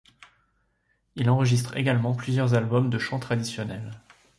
Il enregistre également plusieurs albums de chants traditionnels.